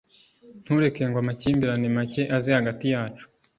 Ntureke ngo amakimbirane make aze hagati yacu.